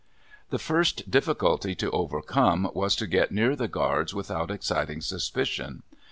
The first difficulty to overcome was to get near the guards without exciting suspicion.